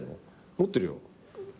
持ってるよ。